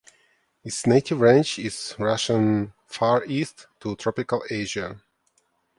Its native range is Russian Far East to Tropical Asia.